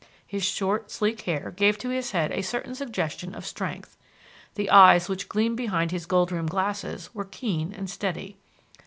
His short, sleek hair gave to his head a certain suggestion of strength. The eyes which gleamed behind his gold rimmed glasses were keen and steady.